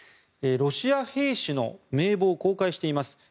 ロシア兵士の名簿を公開しています。